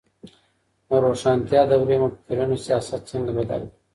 د روښانتيا دورې مفکرينو سياست څنګه بدل کړ؟